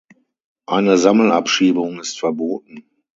Eine Sammelabschiebung ist verboten.